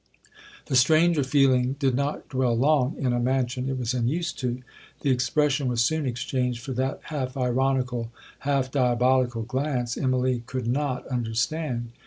The stranger feeling did not dwell long in a mansion it was unused to. The expression was soon exchanged for that half ironical, half diabolical glance Immalee could not understand.